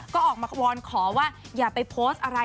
ก็ออกมาวอนขอว่าอย่าไปโพสต์อะไร